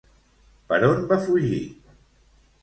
Per on va fugir?